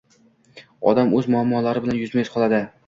Odam o‘z muammolari bilan yuzma-yuz qoladi.